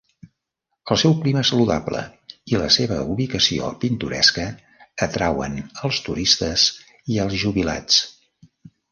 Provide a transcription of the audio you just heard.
El seu clima saludable i la seva ubicació pintoresca atrauen els turistes i els jubilats.